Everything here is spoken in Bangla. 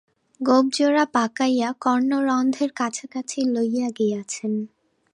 গোঁফজোড়া পাকাইয়া কর্ণরন্ধ্রের কাছাকাছি লইয়া গিয়াছেন।